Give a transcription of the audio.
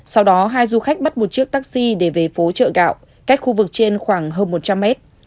sau đó hai du khách bắt một chiếc taxi để về phố chợ gạo cách khu vực trên khoảng hơn một trăm linh mét